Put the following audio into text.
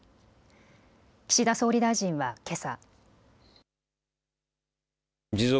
岸田総理大臣は、けさ。